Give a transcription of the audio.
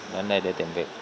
đến đây để tìm việc